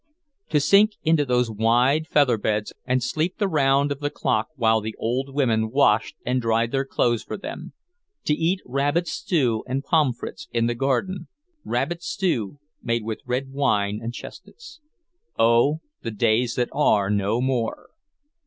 To sink into those wide feather beds and sleep the round of the clock while the old women washed and dried their clothes for them; to eat rabbit stew and pommes frites in the garden, rabbit stew made with red wine and chestnuts. Oh, the days that are no more!